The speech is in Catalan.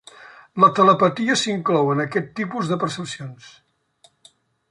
La telepatia s'inclou en aquest tipus de percepcions.